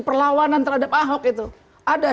perlawanan terhadap ahok itu ada